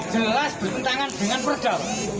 jelas bertentangan dengan perda